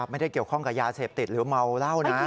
ไม่ได้เกี่ยวข้องกับยาเสพติดหรือเมาเหล้านะ